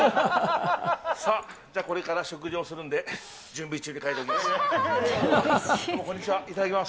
さあ、じゃあこれから食事をするんで、準備中に変えておきます。